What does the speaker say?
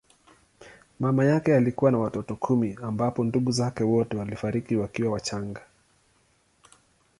Mama yake alikuwa na watoto kumi ambapo ndugu zake wote walifariki wakiwa wachanga.